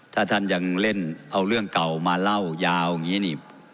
ถ้าท่านยังเล่นเอาเรื่องเก่ามาเล่ายาวอย่างนี้นี่